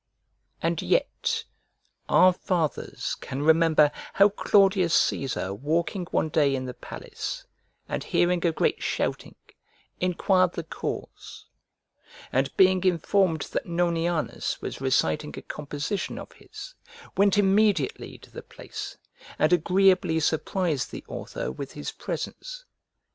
And yet our fathers can remember how Claudius Cæsar walking one day in the palace, and hearing a great shouting, enquired the cause: and being informed that Nonianus was reciting a composition of his, went immediately to the place, and agreeably surprised the author with his presence.